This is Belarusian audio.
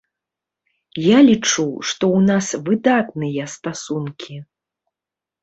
Я лічу, што ў нас выдатныя стасункі.